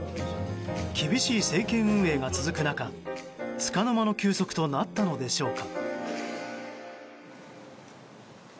厳しい政権運営が続く中つかの間の休息となったのでしょうか。